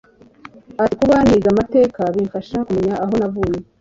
Ati “Kuba niga amateka bimfasha kumenya aho navuye